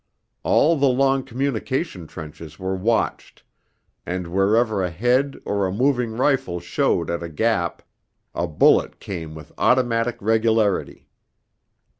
All the long communication trenches were watched, and wherever a head or a moving rifle showed at a gap a bullet came with automatic regularity.